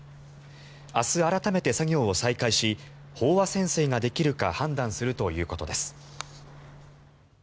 明日改めて作業を再開し飽和潜水ができるか判断するということです。